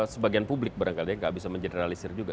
sebagian publik barangkali nggak bisa mengeneralisir juga